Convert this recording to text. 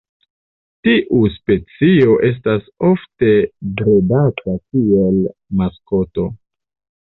Tiu specio estas ofte bredata kiel maskoto.